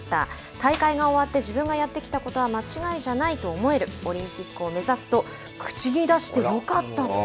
大会が終わって自分がやってきたことは間違いじゃないと思えるオリンピックを目指すと口に出してよかったと。